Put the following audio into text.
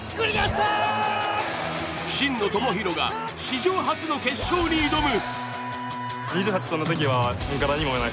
真野友博が史上初の決勝に挑む。